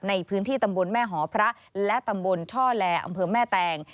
ในพื้นที่ตำบลแม่หอพระและตำบลช่อแลอำเภอแม่แตง